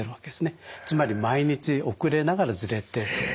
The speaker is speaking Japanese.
つまり毎日遅れながらズレてるという。